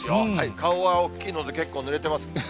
顔は大きいので、結構ぬれてます。